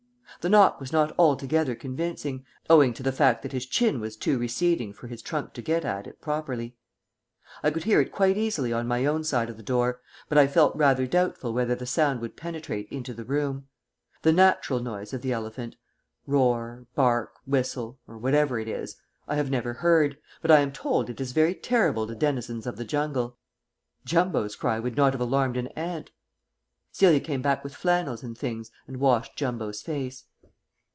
The knock was not altogether convincing, owing to the fact that his chin was too receding for his trunk to get at it properly. I could hear it quite easily on my own side of the door, but I felt rather doubtful whether the sound would penetrate into the room. The natural noise of the elephant roar, bark, whistle, or whatever it is I have never heard, but I am told it is very terrible to denizens of the jungle. Jumbo's cry would not have alarmed an ant. Celia came back with flannels and things and washed Jumbo's face.